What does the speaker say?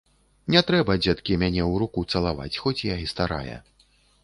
Не трэба, дзеткі, мяне ў руку цалаваць, хоць я і старая.